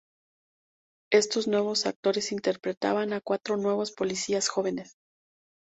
Estos nuevos actores interpretaban a cuatro nuevos policías jóvenes.